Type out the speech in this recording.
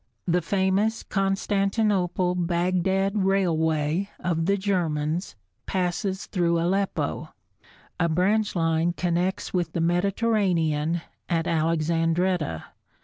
The famous Constantinople Bagdad railway of the Germans passes through Aleppo. A branch line connects with the Mediterranean at Alexandretta.